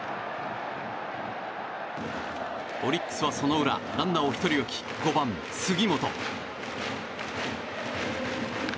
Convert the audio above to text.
オリックスはその裏ランナーを１人置き５番、杉本。